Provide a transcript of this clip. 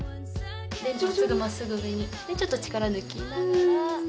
で真っすぐ真っすぐ上にでちょっと力抜きながら。